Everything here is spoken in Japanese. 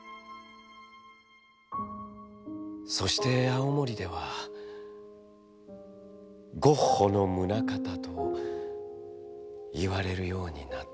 「そして青森では『ゴッホのムナカタ』といわれるようになっていました」。